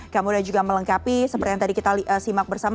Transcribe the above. kemudian juga melengkapi seperti yang tadi kita simak bersama